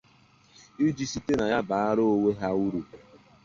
iji site na ya bàárá onwe ha uru